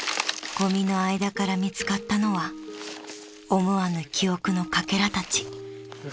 ［ゴミの間から見つかったのは思わぬ記憶のかけらたち］